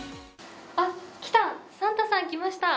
あっ、来た、サンタさん来ました。